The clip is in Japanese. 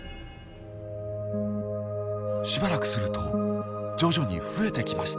しばらくすると徐々に増えてきました。